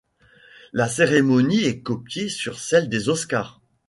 La cérémonie est copiée sur celle des Oscars.